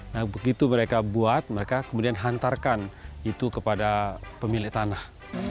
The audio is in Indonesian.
nah begitu mereka buat mereka kemudian hantarkan itu kepada pemilik tanah